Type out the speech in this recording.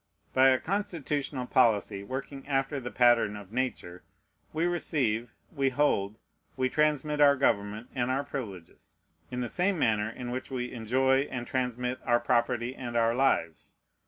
By a constitutional policy working after the pattern of Nature, we receive, we hold, we transmit our government and our privileges, in the same manner in which we enjoy and transmit our property and our lives.